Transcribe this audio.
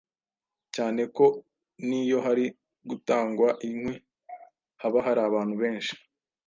cyane ko n’iyo hari gutangwa inkwi haba hari abantu benshi